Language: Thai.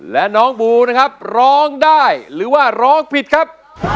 และน้องบูนะครับร้องได้หรือว่าร้องผิดครับ